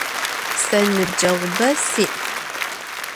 Se nıbceğube si'.